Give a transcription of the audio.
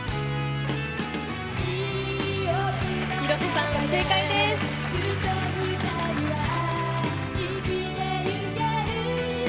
広瀬さん、正解です！